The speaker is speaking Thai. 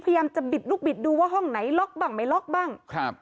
พยายามจะบิดลูกบิดดูว่าห้องไหนล็อกบ้างไม่ล็อกบ้างครับ